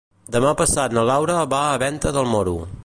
Demà passat na Laura va a Venta del Moro.